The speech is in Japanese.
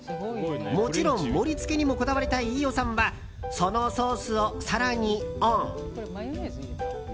もちろん盛り付けにもこだわりたい飯尾さんはそのソースを皿にオン。